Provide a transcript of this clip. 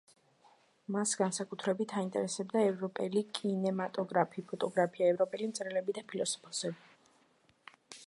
მას განსაკუთრებით აინტერესებდა ევროპული კინემატოგრაფი, ფოტოგრაფია, ევროპელი მწერლები და ფილოსოფოსები.